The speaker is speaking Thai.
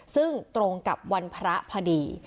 ซึ่งตรงกับวันพระพอดี